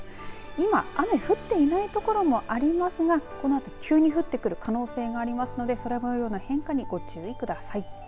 今、雨降っていない所もありますがこのあと急に降ってくる可能性がありますので空模様の変化にご注意ください。